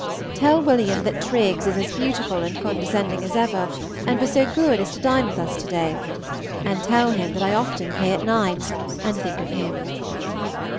Tell Wm. that Triggs is as beautiful and condescending as ever, and was so good as to dine with us to day, and tell him that I often play at nines and think of him.